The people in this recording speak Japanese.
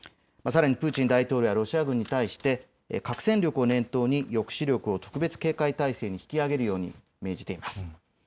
さらにプーチン大統領はロシア軍に対して核戦力を念頭に抑止力を特別警戒態勢に引き上げるよう命じています。